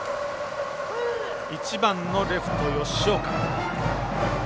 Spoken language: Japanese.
１番のレフト吉岡。